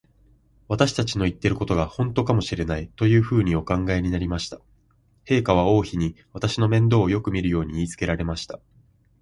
私たちの言ってることが、ほんとかもしれない、というふうにお考えになりました。陛下は王妃に、私の面倒をよくみるように言いつけられました。